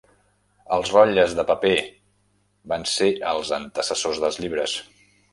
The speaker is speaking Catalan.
Els rotlles de paper van ser els antecessors dels llibres.